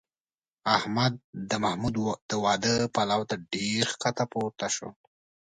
احمد د محمود د واده پلو ته ډېر ښکته پورته شو.